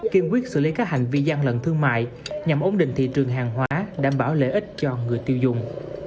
kiên quyết xử lý các hành vi gian lận thương mại nhằm ổn định thị trường hàng hóa đảm bảo lợi ích cho người tiêu dùng